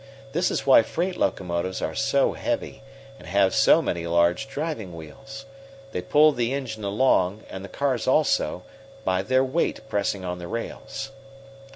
This is why freight locomotives are so heavy and have so many large driving wheels. They pull the engine along, and the cars also, by their weight pressing on the rails.